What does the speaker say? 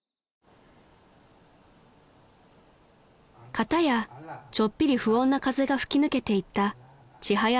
［片やちょっぴり不穏な風が吹き抜けていったちはや